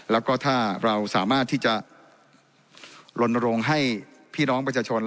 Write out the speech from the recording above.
แล้วก็ถ้าเราสามารถที่จะลนรงค์ให้พี่น้องประชาชน